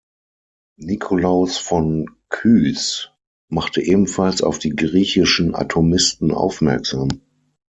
Nikolaus von Kues machte ebenfalls auf die griechischen Atomisten aufmerksam.